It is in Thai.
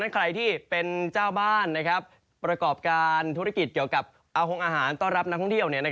ใครที่เป็นเจ้าบ้านประกอบการธุรกิจเกี่ยวกับอาหงอาหารต้อนรับนักท่องเที่ยว